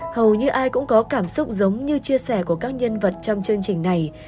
hầu như ai cũng có cảm xúc giống như chia sẻ của các nhân vật trong chương trình này